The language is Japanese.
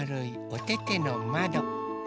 おててのまど。